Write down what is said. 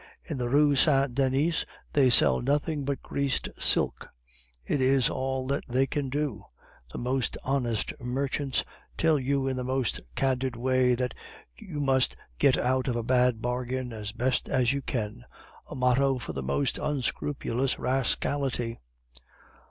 In the Rue Saint Denis they sell nothing but 'greased silk'; it is all that they can do. The most honest merchants tell you in the most candid way that 'you must get out of a bad bargain as best you can' a motto for the most unscrupulous rascality.